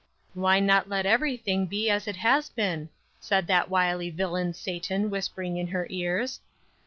"Why not let everything be as it has been?" said that wily villain Satan, whispering in her ears.